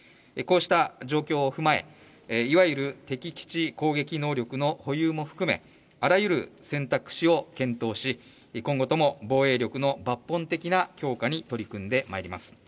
こうした状況を踏まえ、いわゆる敵基地攻撃能力の保有も含めあらゆる選択肢を検討し、今後とも防衛力の抜本的な強化に取り組んでまいります。